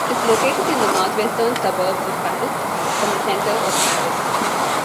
It is located in the north-western suburbs of Paris, from the center of Paris.